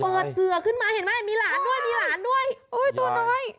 เสือขึ้นมาเห็นไหมมีหลานด้วยมีหลานด้วยอุ้ยตัวน้อย